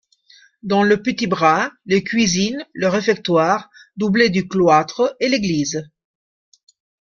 Dans le petit bras les cuisines, le réfectoire, doublé du cloître, et l’église.